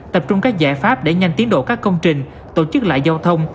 tập trung các giải pháp để nhanh tiến độ các công trình tổ chức lại giao thông